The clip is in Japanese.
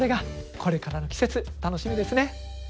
これからの季節楽しみですね。